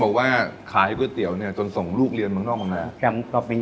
รวมขายรวมขายมาเชื้อที่เชื้อบ้าน